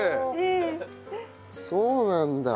そうなんだ。